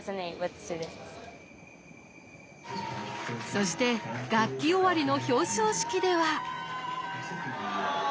そして学期終わりの表彰式では。